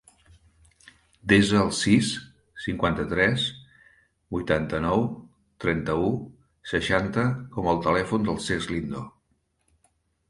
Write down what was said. Desa el sis, cinquanta-tres, vuitanta-nou, trenta-u, seixanta com a telèfon del Cesc Lindo.